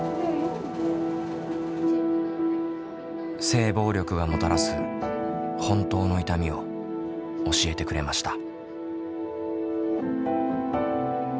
性暴力がもたらす「本当の痛み」を教えてくれました。